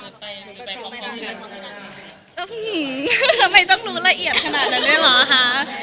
ทำไมต้องรู้ละเอียดขนาดนั้นด้วยเหรอคะ